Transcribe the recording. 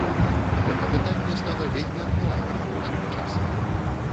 Гэта пытанне стала вельмі актуальным апошнім часам.